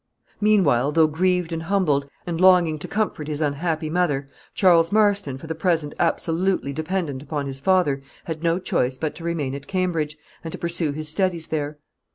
Meanwhile, though grieved and humbled, and longing to comfort his unhappy mother Charles Marston, for the present absolutely dependant upon his father, had no choice but to remain at Cambridge, and to pursue his studies there.